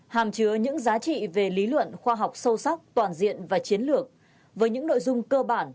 hàm chứa những giá trị về lý luận khoa học sâu sắc toàn diện và chiến lược với những nội dung cơ bản